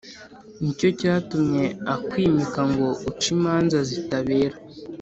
Ni cyo cyatumye akwimika ngo uce imanza zitabera